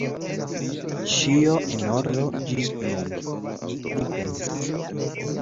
Ĉio en ordo ĝis nun, li pensis.